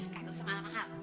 kaguh sama alam hal